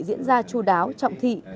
diễn ra chú đáo trọng thị